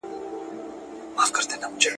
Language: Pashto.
د زهره شاوخوا نیمه سپوږمۍ هم لیدل شوې.